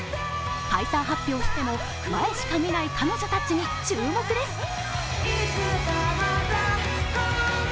解散発表しても前しか見ない彼女たちに注目です。